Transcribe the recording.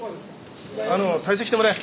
あの退席してもらえ。